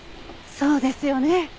そうですよね。